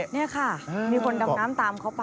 นี่ค่ะมีคนดำน้ำตามเขาไป